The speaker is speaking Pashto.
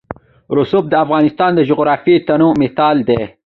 رسوب د افغانستان د جغرافیوي تنوع مثال دی.